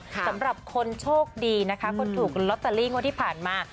สำหรับคนโชคดีนะคะคนถูกลอตเตอรี่งวดที่ผ่านมา